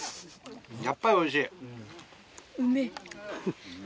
やっぱりおいしい。